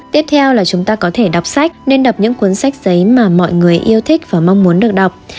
tiếp theo là chúng ta có thể đọc sách nên đọc những cuốn sách giấy mà mọi người yêu thích và mong muốn được đọc